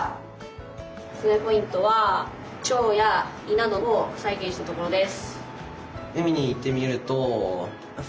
おすすめポイントは腸や胃などを再現したところです。